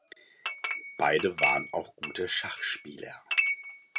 Beide waren auch gute Schachspieler.